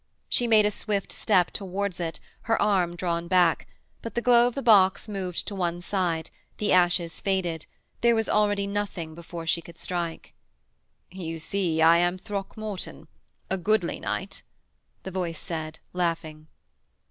She made a swift step towards it, her arm drawn back; but the glow of the box moved to one side, the ashes faded: there was already nothing before she could strike. 'You see I am Throckmorton: a goodly knight,' the voice said, laughing.